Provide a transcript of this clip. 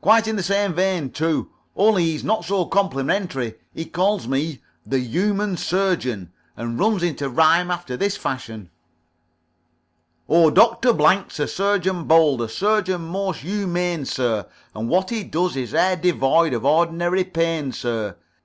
"Quite in the same vein, too, only he's not so complimentary. He calls me 'The Humane Surgeon,' and runs into rhyme after this fashion: "O, Doctor Blank's a surgeon bold, A surgeon most humane, sir; And what he does is e'er devoid Of ordinary pain, sir.